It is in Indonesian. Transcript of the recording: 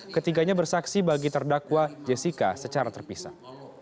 ketiganya bersaksi bagi terdakwa jessica secara terpisah